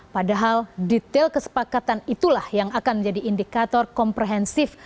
padahal detail kesepakatan itulah yang akan menjadi indikator komprehensif